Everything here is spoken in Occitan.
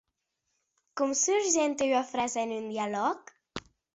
Com surgente ua frasa en un dialòg?